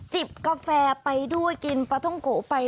กาแฟไปด้วยกินปลาท่องโกะไป